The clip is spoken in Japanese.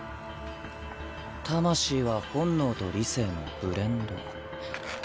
魂は本能と理性のブレンド。